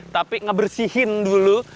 tapi ngebersihin dulu